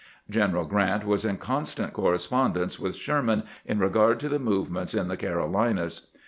General Grant was in constant correspondence with Sherman in regard to the movements in the Carolinas.